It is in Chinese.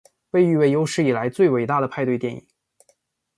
被誉为有史以来最伟大的派对电影。